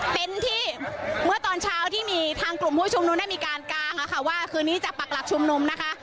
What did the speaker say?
เป็นที่เมื่อตอนเช้าที่มีทางกลุ่มผู้ชุมนุมได้มีการกางอะค่ะว่าคืนนี้จะปักหลักชุมนุมนะคะ